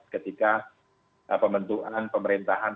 ketika pembentukan pemerintahan